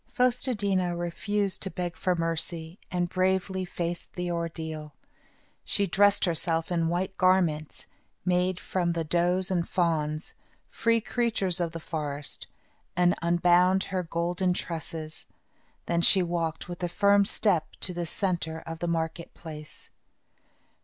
Fos te di' na refused to beg for mercy and bravely faced the ordeal. She dressed herself in white garments, made from the does and fawns free creatures of the forest and unbound her golden tresses. Then she walked with a firm step to the centre of the market place.